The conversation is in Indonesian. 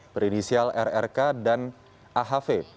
berinisial rrk dan ahv